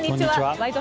「ワイド！